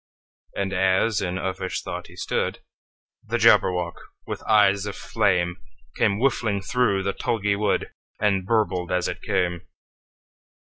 And as in uffish thought he stood, The Jabberwock, with eyes of flame, Came whiffling through the tulgey wood, And burbled as it came!